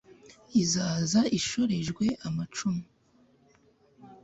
izaza ishorejwe amacumu